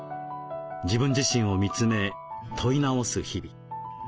自分自身を見つめ問い直す日々。